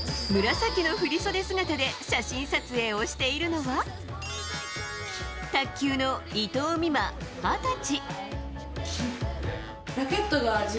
紫の振り袖姿で写真撮影をしているのは卓球の伊藤美誠、二十歳。